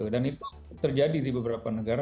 dan itu terjadi di beberapa negara